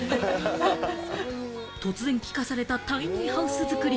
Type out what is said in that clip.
突然聞かされたタイニーハウス作り。